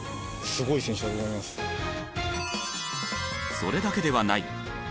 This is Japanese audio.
それだけではない。